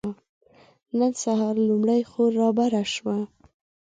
نن سهار لومړۍ خور رابره شوه.